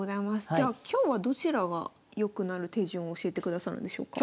じゃあ今日はどちらが良くなる手順を教えてくださるんでしょうか？